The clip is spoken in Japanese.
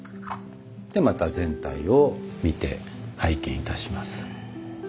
でまた全体を見て拝見いたします。